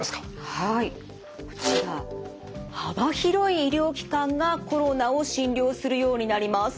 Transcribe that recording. はいこちら幅広い医療機関がコロナを診療するようになります。